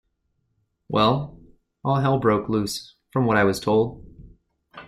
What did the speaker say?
Well, all hell broke loose, from what I was told.